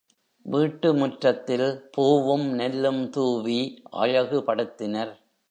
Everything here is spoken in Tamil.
வீட்டு முற்றத்தில் பூவும் நெல்லும் தூவி அழகுபடுத்தினர்.